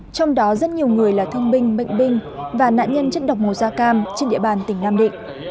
trong đó rất nhiều người là thương binh bệnh binh và nạn nhân chất độc màu da cam trên địa bàn tỉnh nam định